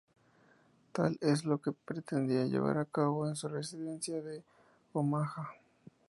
Tal es lo que pretendía llevar a cabo en su residencia de Omaha.